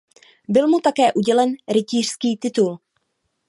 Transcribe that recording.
Byl mu také udělen rytířský titul.